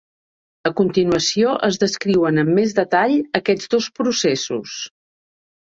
A continuació, es descriuen amb més detall aquests dos processos.